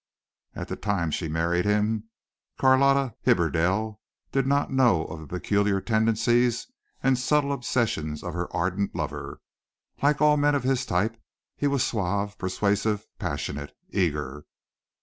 At the time she married him Carlotta Hibberdell did not know of the peculiar tendencies and subtle obsession of her ardent lover. Like all men of his type he was suave, persuasive, passionate, eager.